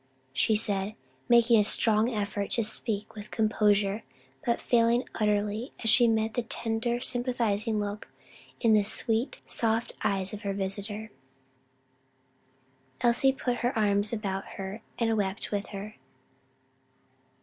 she said making a strong effort to speak with composure but failing utterly as she met the tender sympathizing look in the sweet soft eyes of her visitor. Elsie put her arms about her and wept with her.